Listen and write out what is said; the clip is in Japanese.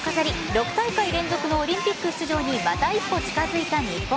６大会連続のオリンピック出場にまた一歩近づいた日本。